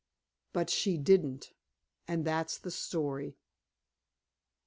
But she didn't and that's the story.